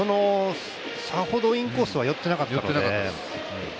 さほどインコースは寄ってなかったので。